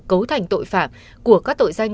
cấu thành tội phạm của các tội danh